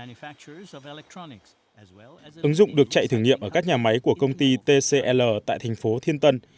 ứng dụng được chạy thử nghiệm ở các nhà máy của công ty tcl tại thành phố thiên tân